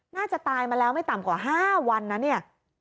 น่าจะตายมาแล้วไม่ต่ำกว่า๕วันนะเนี่ย